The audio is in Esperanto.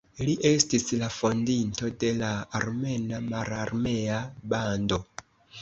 Li estis la fondinto de la "Armena Mararmea Bando".